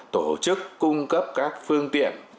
tổ chức cung cấp các phương tiện